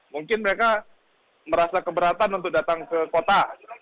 mungkin mereka merasa keberatan untuk datang ke kota